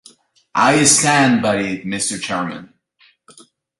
I stand by it, Mr. Chairman.